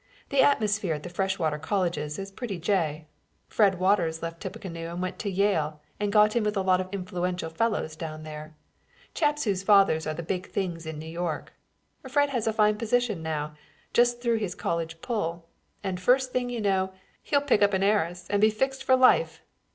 The atmosphere at the freshwater colleges is pretty jay. Fred Waters left Tippecanoe and went to Yale and got in with a lot of influential fellows down there, chaps whose fathers are in big things in New York. Fred has a fine position now, just through his college pull, and first thing you know, he'll pick up an heiress and be fixed for life.